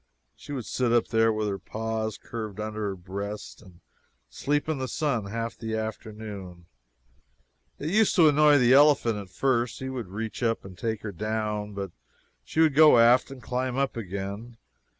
She would sit up there, with her paws curved under her breast, and sleep in the sun half the afternoon. It used to annoy the elephant at first, and he would reach up and take her down, but she would go aft and climb up again.